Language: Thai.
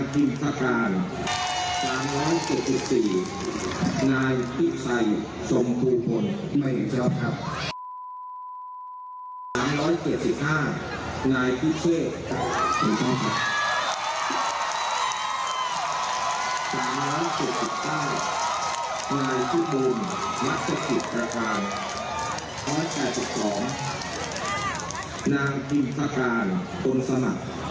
คุณลักษณ์ผิดประการ๑๘๒นางผิดประการต้นสมัครคุณเช่ากัน